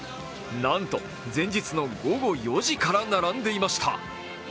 なんと前日の午後４時から並んでいました。